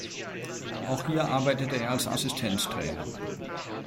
Auch hier arbeitete er als Assistenz-Trainer.